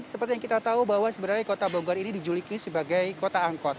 seperti yang kita tahu bahwa sebenarnya kota bogor ini dijuliki sebagai kota angkot